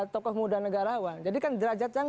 tokoh muda negarawan jadi kan derajat yang